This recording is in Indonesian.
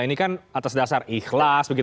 ini kan atas dasar ikhlas